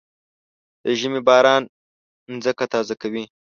د ژمي باران ځمکه تازه کوي.